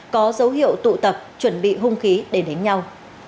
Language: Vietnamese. có dấu hiệu tụ tập chuẩn bị hung khí để đánh nhau